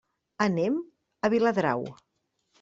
Anem a Viladrau.